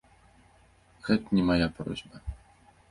Гэта не мая просьба.